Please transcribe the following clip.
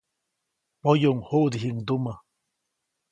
Poyuʼuŋ juʼdijiʼŋndumä.